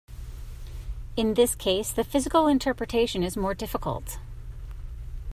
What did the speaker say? In this case, the physical interpretation is more difficult.